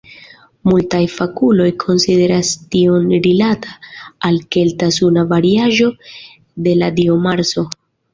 Multaj fakuloj konsideras tion rilata al kelta suna variaĵo de la dio Marso.